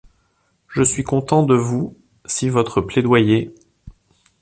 Je suis content de vous si votre plaidoyer